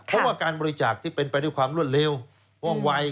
เพราะว่าการบริจาคที่เป็นไปด้วยความรวดเร็วว่องวัย